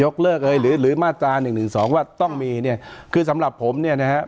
ยกเลิกเลยหรือมาตรา๑๑๒ว่าต้องมีเนี่ยคือสำหรับผมเนี่ยนะฮะ